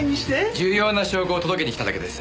重要な証拠を届けにきただけです。